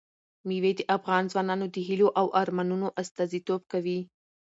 مېوې د افغان ځوانانو د هیلو او ارمانونو استازیتوب کوي.